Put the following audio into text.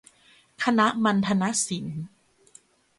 คณะมัณฑนศิลป์